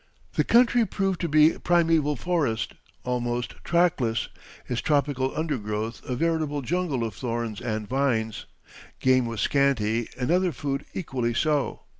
The country proved to be primeval forest, almost trackless, its tropical undergrowth a veritable jungle of thorns and vines. Game was scanty and other food equally so.